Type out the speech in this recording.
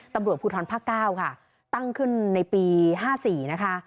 ตำรวจภูทรภาคเก้าค่ะตั้งขึ้นในปีห้าสี่นะคะ